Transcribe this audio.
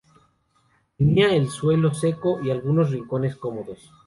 Tenía el suelo seco y algunos rincones cómodos.